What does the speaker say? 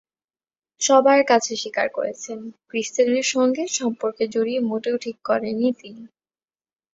সবার কাছে স্বীকার করেছেন, ক্রিস্টেনের সঙ্গে সম্পর্কে জড়িয়ে মোটেও ঠিক করেননি তিনি।